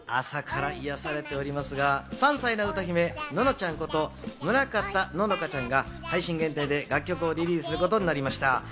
朝から癒されておりますが、３歳の歌姫ののちゃんこと、村方乃々佳ちゃんが配信限定で楽曲をリリースすることになりました。